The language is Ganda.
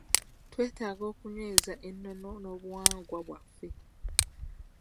Twetaaga okunyweza ennono n'obuwangwa bwaffe.